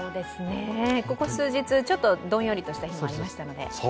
ここ数日ちょっとどんよりとした日もありましたので。